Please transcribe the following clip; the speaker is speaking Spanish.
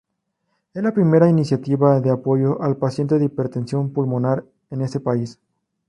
Es la primera iniciativa de apoyo al paciente de hipertensión pulmonar en ese país.